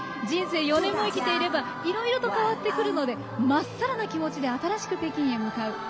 人生４年も生きていればいろいろと変わってくるのでまっさらな気持ちで新しく北京へ向かう。